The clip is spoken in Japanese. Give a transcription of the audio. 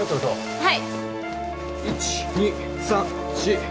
はい。